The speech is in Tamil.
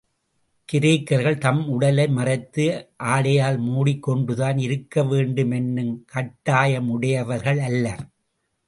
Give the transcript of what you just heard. கிரேக்கர்கள் தம் உடலை மறைத்து ஆடையால் மூடிக்கொண்டுதான் இருக்க வேண்டும் என்னும் கட்டிாயமுடையவர்களல்லர்.